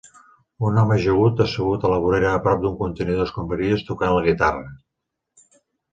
Un home jove assegut a la vorera a prop d'un contenidor d'escombraries tocant la guitarra.